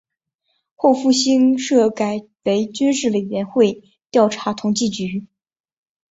后复兴社改为军事委员会调查统计局。